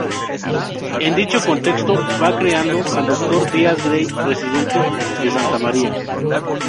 En dicho contexto va creando al doctor Díaz Grey, residente de Santa María.